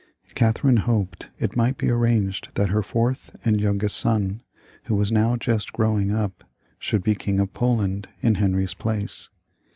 Catherine hoped it might be arranged that her fourth and youngest son, who was now just grow ing up, should be King of Poland in Henry's place.